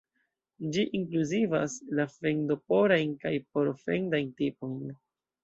Ĝi inkluzivas la fendo-porajn kaj poro-fendajn tipojn.